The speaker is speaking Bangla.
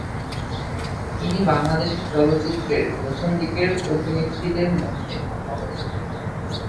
তিনি বাংলাদেশের চলচ্চিত্রের প্রথম দিকের অভিনেত্রীদের মধ্যে অন্যতম।